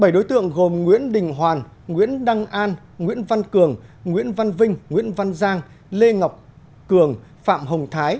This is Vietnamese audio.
bảy đối tượng gồm nguyễn đình hoàn nguyễn đăng an nguyễn văn cường nguyễn văn vinh nguyễn văn giang lê ngọc cường phạm hồng thái